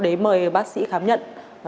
đấy mời bác sĩ khám nhận